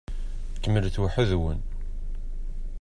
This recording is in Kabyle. Kemmlet weḥd-wen.